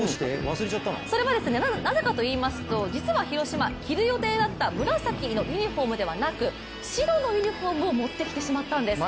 それはなぜかと言いますと実は広島、着る予定だった紫のユニフォームではなく白のユニフォームを持ってきてしまったんです。